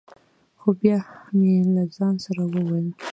خو بیا مې له ځان سره ویل: